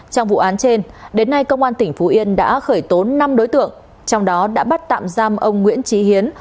trong vụ án trên đến nay công an tỉnh phú yên đã khởi tố năm đối tượng trong đó đã bắt tạm giam ông nguyễn trí hiến